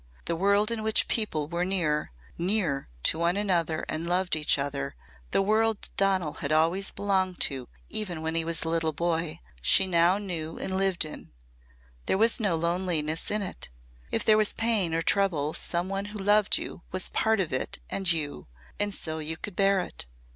The world in which people were near near to one another and loved each other, the world Donal had always belonged to even when he was a little boy, she now knew and lived in. There was no loneliness in it. If there was pain or trouble some one who loved you was part of it and you, and so you could bear it.